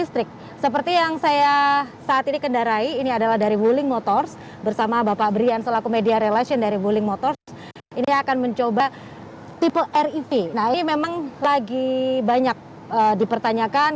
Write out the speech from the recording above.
tipe riv nah ini memang lagi banyak dipertanyakan